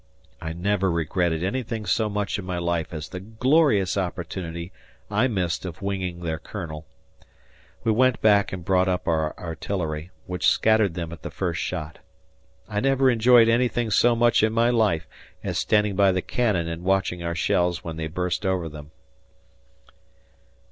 ... I never regretted anything so much in my life as the glorious opportunity I missed of winging their Colonel. We went back and brought up our artillery, which scattered them at the first shot. I never enjoyed anything so much in my life as standing by the cannon and watching our shells when they burst over them.